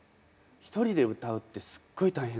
一人で歌うってすっごい大変で。